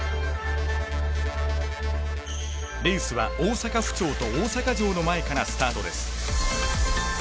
レースは大阪府庁と大阪城の前からスタートです。